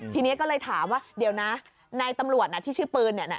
ทีนี้ก็เลยถามว่าเดี๋ยวนะในตำรวจที่ชื่อปืน